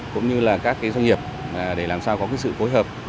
cũng như là các doanh nghiệp để làm sao có sự phối hợp